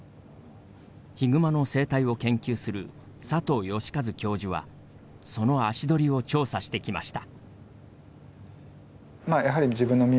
ヒグマの生態を研究する佐藤喜和教授はその足取りを調査してきました。